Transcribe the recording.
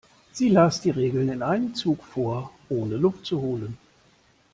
Sie las die Regeln in einem Zug vor, ohne Luft zu holen.